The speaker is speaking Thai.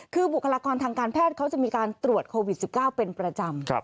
คือบุคลากรทางการแพทย์เขาจะมีการตรวจโควิด๑๙เป็นประจำ